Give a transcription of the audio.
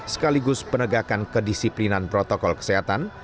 sekaligus penegakan kedisiplinan protokol kesehatan